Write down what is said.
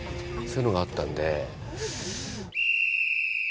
そういうのがあったんで。